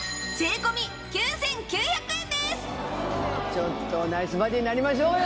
ちょっとナイスバディーになりましょうよ。